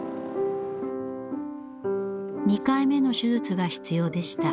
２回目の手術が必要でした。